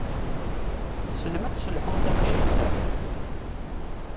Tessnem ad tesselḥum tamacint-a?